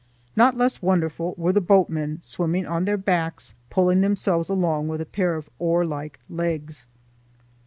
Not less wonderful were the boatmen, swimming on their backs, pulling themselves along with a pair of oar like legs.